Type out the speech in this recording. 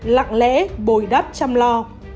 lặng lẽ bồi đắp chăm lo